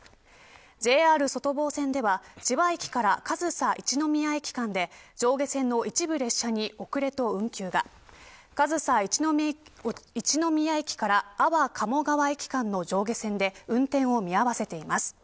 ＪＲ外房線では千葉駅から上総一ノ宮駅間で上下線の一部列車に遅れと運休が上総一ノ宮駅から安房鴨川駅の上下線で運転を見合わせています。